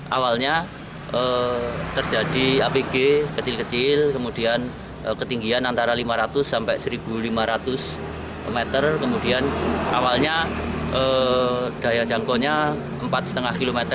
awalnya terjadi apg kecil kecil kemudian ketinggian antara lima ratus sampai satu lima ratus meter kemudian awalnya daya jangkaunya empat lima km